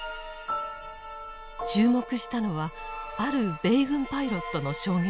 注目したのはある米軍パイロットの証言です。